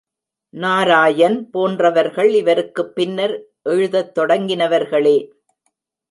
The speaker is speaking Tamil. நாராயன் போன்றவர்கள் இவருக்குப் பின்னர் எழுதத் தொடங்கினவர்களே.